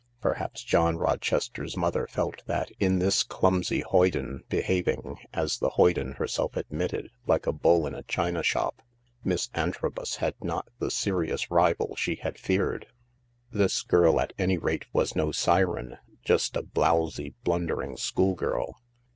Perhaps John Rochester's mother felt that in this clumsy hoyden behaving, as the hoyden herself admitted, like a bull in a china shop, Miss Antrobus had not the serious rival she had feared. This girl at any rate was no siren— just a blowsy, blundering schoolgirl.